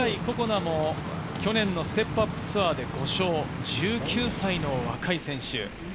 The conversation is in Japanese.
那も去年のステップアップツアーで５勝、１９歳の若い選手。